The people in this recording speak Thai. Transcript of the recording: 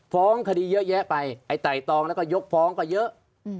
ฟ้องคดีเยอะแยะไปไอ้ไต่ตองแล้วก็ยกฟ้องก็เยอะ